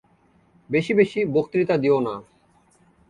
বেশি বেশি বক্তৃতা দিও না।